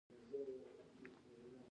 نه نه ويح مرم دا زړه مې بېخي سست دی مرم.